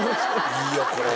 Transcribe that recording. いいよこれ！